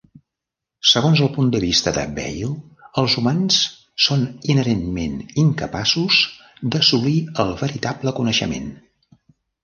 Segons el punt de vista de Bayle, els humans són inherentment incapaços d'assolir el veritable coneixement.